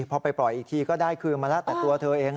พอไปปล่อยอีกทีก็ได้คืนมาแล้วแต่ตัวเธอเอง